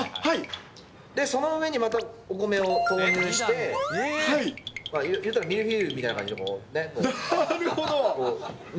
その上にまたお米を投入して、言うたらミルフィーユみたいな感なるほど。